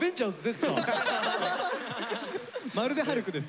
まるでハルクですね。